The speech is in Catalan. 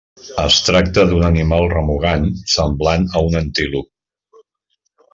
Es tracta d'un animal remugant semblant a un antílop.